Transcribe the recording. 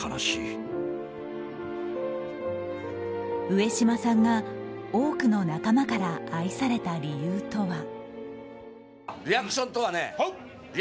上島さんが多くの仲間から愛された理由とは。